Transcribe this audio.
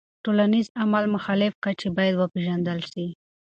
د ټولنیز عمل مختلف کچې باید وپیژندل سي.